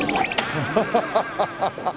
ハハハハハッ！